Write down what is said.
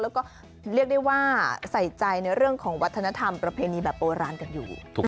แล้วก็เรียกได้ว่าใส่ใจในเรื่องของวัฒนธรรมประเพณีแบบโบราณกันอยู่